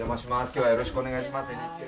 きょうはよろしくお願いいたします。